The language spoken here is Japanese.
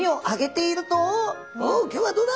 「お今日はどうだ？